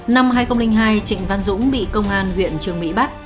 năm hai nghìn hai trịnh văn dũng bị công an huyện trường mỹ bắt